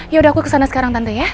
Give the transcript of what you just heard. yaudah aku kesana sekarang tante ya